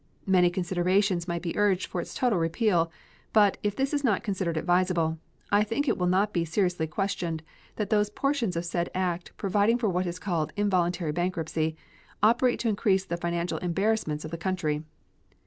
Many considerations might be urged for its total repeal, but, if this is not considered advisable, I think it will not be seriously questioned that those portions of said act providing for what is called involuntary bankruptcy operate to increase the financial embarrassments of the country.